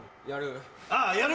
やる。